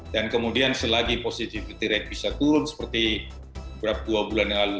dan kemudian selagi positivity rate bisa turun seperti berapa dua bulan yang lalu